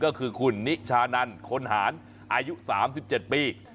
ก็คือคุณนิชานันคนหารอายุ๓๗ปี